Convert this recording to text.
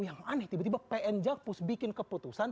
yang aneh tiba tiba pn jakpus bikin keputusan